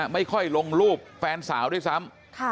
ไม่ค่อยลงรูปแฟนสาวด้วยซ้ำ